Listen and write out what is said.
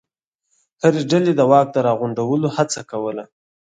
هرې ډلې د واک د راغونډولو هڅه کوله.